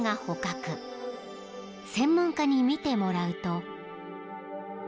［専門家に見てもらうと］